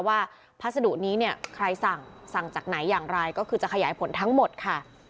พัสดุนี้เนี่ยใครสั่งสั่งจากไหนอย่างไรก็คือจะขยายผลทั้งหมดค่ะ